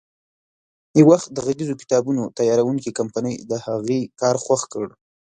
یو وخت د غږیزو کتابونو تیاروونکې کمپنۍ د هغې کار خوښ کړ.